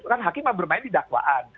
kan hakim bermain di dakwaan